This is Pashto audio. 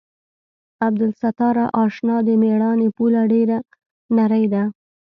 عبدالستاره اشنا د مېړانې پوله ډېره نرۍ ده.